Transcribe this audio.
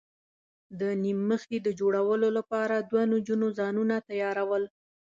د نیم مخي د جوړولو لپاره دوو نجونو ځانونه تیاراول.